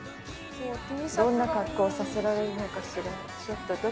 どんな格好させられるのかしら。